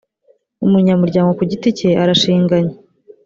umunyamuryango ku giti cye arashinganye